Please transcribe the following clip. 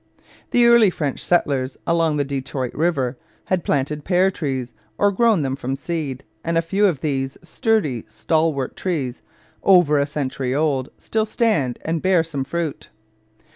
The early French settlers along the Detroit River had planted pear trees or grown them from seed, and a few of these sturdy, stalwart trees, over a century old, still stand and bear some fruit.